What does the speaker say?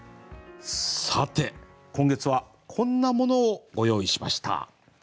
さて今月はこんなものをご用意しました。